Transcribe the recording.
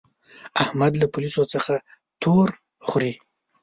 احمد له پوليسو څخه تور خوري.